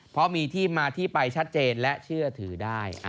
เพราะมีที่มาที่ไปชัดเจนและเชื่อถือได้